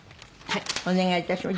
お願い致します。